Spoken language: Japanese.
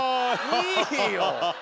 いいよ！